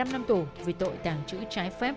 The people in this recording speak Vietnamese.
một mươi năm năm tù vì tội tàng trữ trái phép